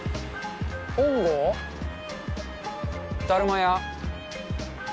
本郷だるま屋。